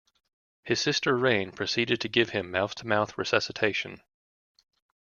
His sister Rain proceeded to give him mouth-to-mouth resuscitation.